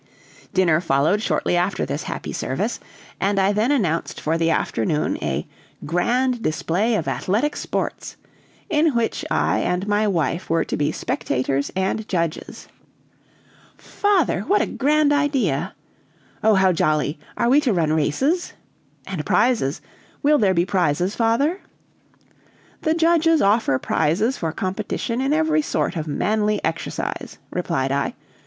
Dinner followed shortly after this happy service, and I then announced for the afternoon a "Grand Display of Athletic Sports," in which I and my wife were to be spectators and judges. "Father, what a grand idea!" "Oh, how jolly! Are we to run races?" "And prizes! Will there be prizes, father?" "The judges offer prizes for competition in every sort of manly exercise," replied I.